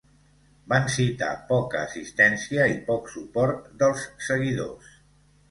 Van citar poca assistència i poc suport dels seguidors.